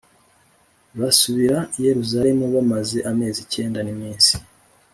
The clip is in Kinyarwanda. basubira Yerusalemu bamaze amezi cyenda n iminsi